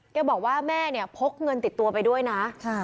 บอกว่าแม่เนี่ยพกเงินติดตัวไปด้วยนะ